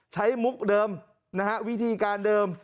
มุกเดิมนะฮะวิธีการเดิม